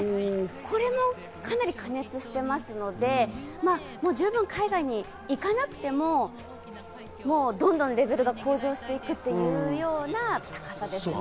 これもかなり過熱していますので、十分、海外に行かなくても、どんどんレベルが向上していくというような高さですね。